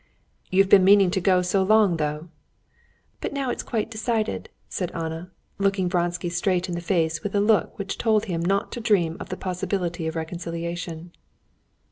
"You've been meaning to go so long, though." "But now it's quite decided," said Anna, looking Vronsky straight in the face with a look which told him not to dream of the possibility of reconciliation.